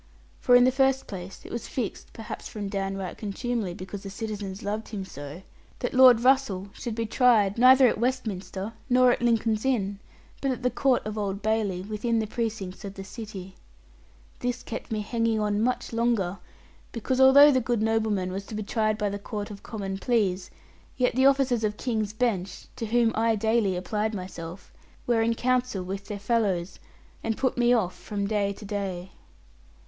For in the first place it was fixed (perhaps from down right contumely, because the citizens loved him so) that Lord Russell should be tried neither at Westminster nor at Lincoln's Inn, but at the Court of Old Bailey, within the precincts of the city. This kept me hanging on much longer; because although the good nobleman was to be tried by the Court of Common Pleas, yet the officers of King's Bench, to whom I daily applied myself, were in counsel with their fellows, and put me off from day to day.